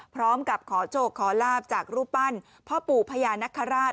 พร้อมกับขอโชคขอลาบจากรูปปั้นพ่อปู่พญานคราช